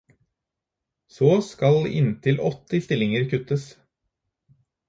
Så skal inntil åtte stillinger til kuttes.